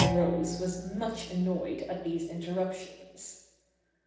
Rose was much annoyed at these interruptions.